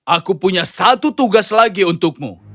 aku punya satu tugas lagi untukmu